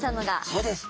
そうです。